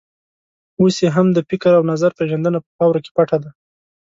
اوس یې هم د فکر او نظر پېژندنه په خاورو کې پټه ده.